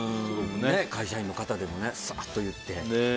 会社員の方でもサクッと言って。